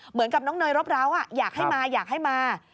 เหมือนกับน้องเนยรบร้าวอยากให้มาอยากให้มา